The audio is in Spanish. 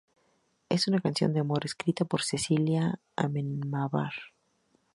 Es una canción de amor escrita para Cecilia Amenábar.